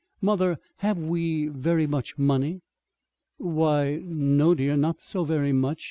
"Mother, have we very much money?" "Why, no, dear, not so very much.